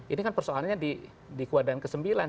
ini kan persoalannya di kuadan ke sembilan